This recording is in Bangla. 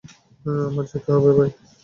আমার যেতে হবে, বাই।